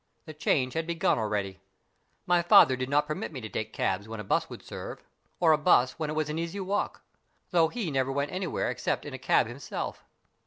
The change had begun already. My father did not permit me to take cabs when a 'bus would serve, or a 'bus when it was an easy walk, though he never went anywhere except in a cab himself.